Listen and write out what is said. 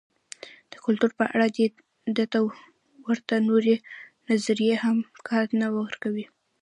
د کلتور په اړه دې ته ورته نورې نظریې هم کار نه ورکوي.